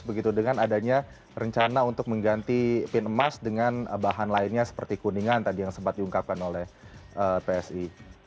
begitu dengan adanya rencana untuk mengganti pin emas dengan bahan lainnya seperti kuningan tadi yang sempat diungkapkan oleh psi